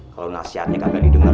kalau nasihatnya tidak didengar